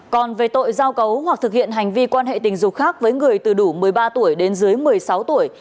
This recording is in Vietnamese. còn về tội giao cấu hoặc thực hiện hành vi quan hệ tình dục khác với người từ đủ một mươi ba tuổi đến dưới một mươi sáu tuổi